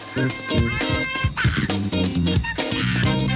สดกว่าไทย